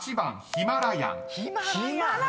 「ヒマラヤン」！